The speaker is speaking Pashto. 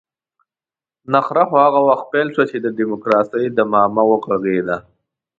نخره خو هغه وخت پيل شوه چې د ډيموکراسۍ ډمامه وغږېده.